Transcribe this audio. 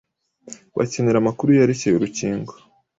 bakenera amakuru yerekeye uru rukingo